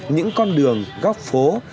những con đường góc phố